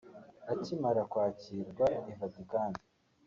Akimara kwakirwa i Vatican